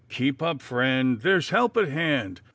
Keep up, friend! There's help at hand!